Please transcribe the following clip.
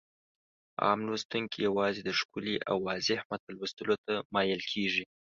عام لوستونکي يوازې د ښکلي او واضح متن لوستلو ته مايل کېږي.